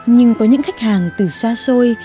nhưng có những khách hàng từ xa xôi